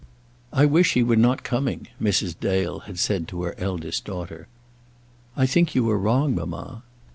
"I wish he were not coming," Mrs. Dale had said to her eldest daughter. "I think you are wrong, mamma."